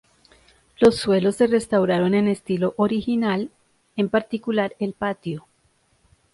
Los suelos se restauraron en el estilo original, en particular el patio.